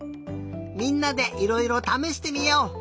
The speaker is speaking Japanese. みんなでいろいろためしてみよう！